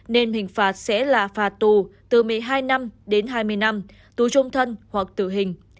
nên hình phạt sẽ là phạt tù từ một mươi hai năm đến hai mươi năm tù trung thân hoặc tử hình